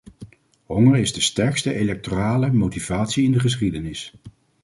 Honger is de sterkste electorale motivatie in de geschiedenis.